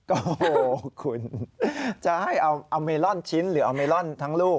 โอ้โหคุณจะให้เอาเมลอนชิ้นหรือเอาเมลอนทั้งลูก